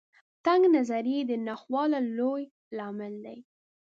تنګ نظري د ناخوالو لوی لامل دی.